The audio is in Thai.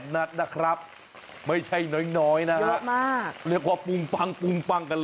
นัดนะครับไม่ใช่น้อยนะฮะเยอะมากเรียกว่าปุ่มปังปุ่มปังกัน